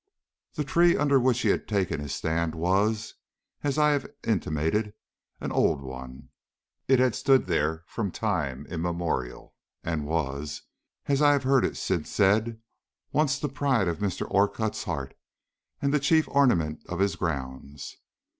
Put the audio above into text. The tree under which he had taken his stand was, as I have intimated, an old one. It had stood there from time immemorial, and was, as I have heard it since said, at once the pride of Mr. Orcutt's heart and the chief ornament of his grounds.